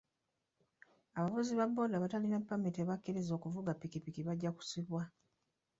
Abavuzi ba booda abatalina ppamiti ebakkiriza okuvuga ppikipiki bajja kusibwa.